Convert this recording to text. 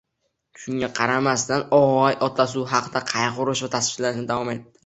Shunga qaramasdan o`gay otasi u haqda qayg`urish va tashvishlanishda davom etdi